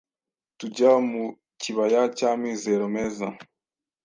Tujya mu kibaya cy'amizero meza